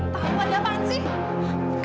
tahu ada apaan sih